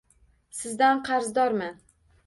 Sizdan qarzdorman.